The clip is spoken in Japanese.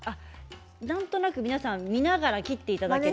なんとなく皆さん見ながら切ってください。